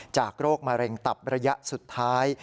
โรคมะเร็งตับระยะสุดท้าย